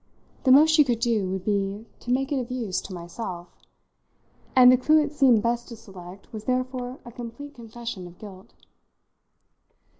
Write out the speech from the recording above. The most she could do would be to make it of use to myself, and the clue it seemed best to select was therefore a complete confession of guilt.